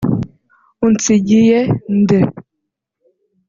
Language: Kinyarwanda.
Unsigiye nde